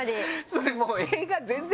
それもう。